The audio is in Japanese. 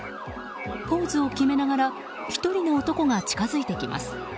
ポーズを決めながら１人の男が近づいてきます。